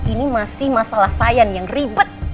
ini masih masalah sain yang ribet